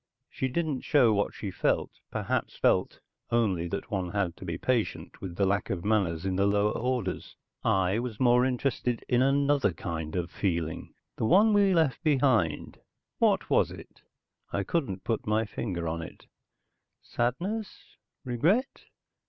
She didn't show what she felt, perhaps felt only that one had to be patient with the lack of manners in the lower orders. I was more interested in another kind of feeling, the one we left behind. What was it? I couldn't put my finger on it. Sadness? Regret?